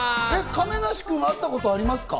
亀梨君は会ったことありますか？